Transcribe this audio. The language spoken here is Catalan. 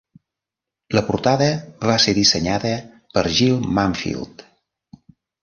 La portada va ser dissenyada per Jill Mumfield.